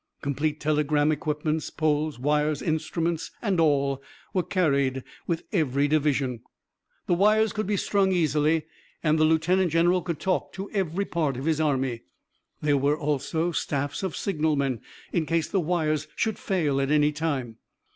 Complete telegram equipments, poles, wires, instruments and all were carried with every division. The wires could be strung easily and the lieutenant general could talk to every part of his army. There were, also, staffs of signalmen, in case the wires should fail at any time.